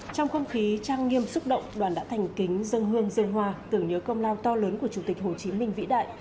trong không khí trang nghiêm xúc động đoàn đã thành kính dân hương dân hoa tưởng nhớ công lao to lớn của chủ tịch hồ chí minh vĩ đại